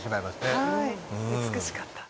はい美しかった